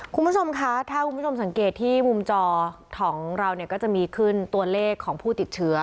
คุณผู้ชมคะถ้าคุณผู้ชมสังเกตที่มุมจอของเราเนี่ยก็จะมีขึ้นตัวเลขของผู้ติดเชื้อ